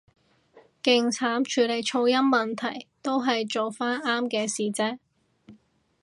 勁慘處理噪音問題，都係做返啱嘅事啫